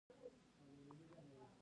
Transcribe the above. دا زموږ د همسایه موټر دی.